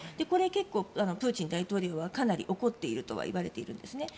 これ、プーチン大統領はかなり怒っているとは言われているんです。